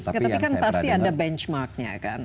tapi kan pasti ada benchmarknya kan